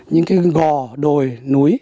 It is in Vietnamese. những cái gò đồi núi